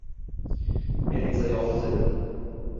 Men esa yolgʻiz edim